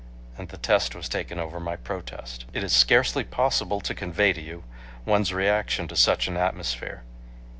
And the test was taken over my protest. It is scarcely possible to convey to you one's reaction to such an atmosphere.